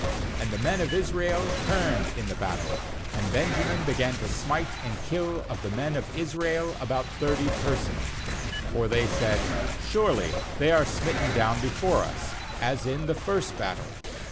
— ^And the men of Israel turned in the battle, and Benjamin began to smite and kill of the men of Israel about thirty persons; for they said: 'Surely they are smitten down before us, as in the first battle.'